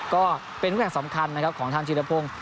ก็เป็นคู่แข่งสำคัญของเธอมชีวิตพลง